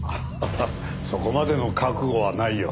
ハハハそこまでの覚悟はないよ。